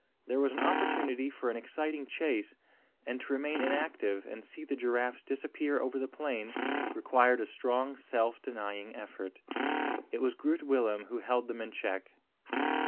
There was an opportunity for an exciting chase; and to remain inactive and see the giraffes disappear over the plain, required a strong self denying effort. It was Groot Willem who held them in check.